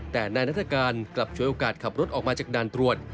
แต่นายนัฐกาลกลับชวยโอกาสขับรถออกมาจากด่านตรวจ